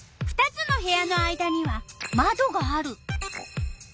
２つの部屋の間にはまどがある。